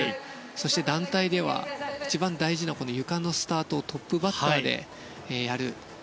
そして団体では一番大事なゆかのスタートそれをトップバッターででやる。